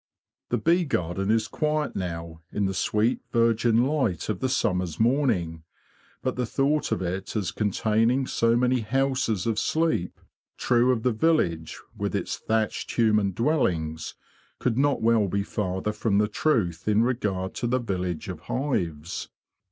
The bee garden is quiet now in the sweet virgin light of the summer's morning; but the thought of it as containing so many houses of sleep, true of the village with its thatched human dwellings, could not well be farther from the truth in regard to the village of hives.